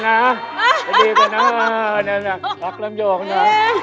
ไอ้ดีกันนะตล๊อกลำยองนะ